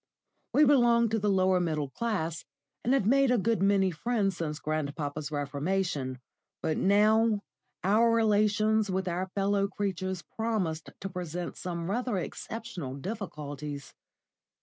We belonged to the lower middle class, and had made a good many friends since grandpapa's reformation; but now our relations with our fellow creatures promised to present some rather exceptional difficulties.